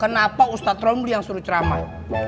kenapa ustadz romli yang suruh ceramah